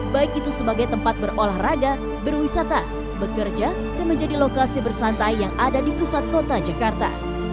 baik itu sebagai tempat berolahraga berwisata bekerja dan menjadi lokasi bersantai yang ada di pusat kota jakarta